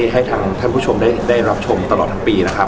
ให้ทางท่านผู้ชมได้รับชมตลอดทั้งปีนะครับ